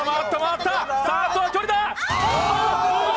あとは距離だ！